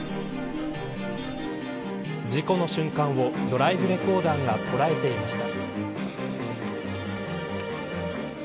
事故の瞬間をドライブレコーダーが捉えていました。